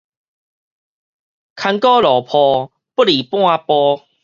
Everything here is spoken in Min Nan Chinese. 牽罟落廍，不離半步